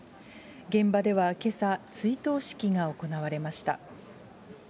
現場ではけさ、追悼式が行われました。